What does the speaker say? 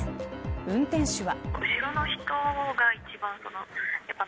運転手は。